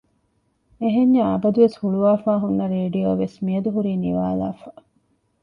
އެހެންޏާ އަބަދުވެސް ހުޅުވާފައި ހުންނަ ރެޑިޔޯވެސް ހުރީ މިއަދު ނިވާލާފަ